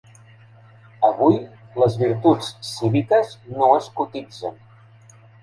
Avui les virtuts cíviques no es cotitzen.